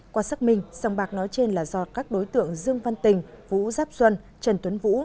qua xác minh sông bạc nói trên là do các đối tượng dương văn tình vũ giáp xuân trần tuấn vũ